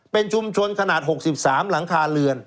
เป็นชุมชนขนาด๖๓หลังคาเรือน